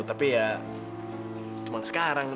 gue tuh pengen banget makan bareng gue